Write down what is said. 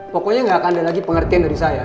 pokoknya nggak akan ada lagi pengertian dari saya